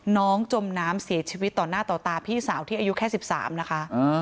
จมน้ำเสียชีวิตต่อหน้าต่อตาพี่สาวที่อายุแค่๑๓นะคะ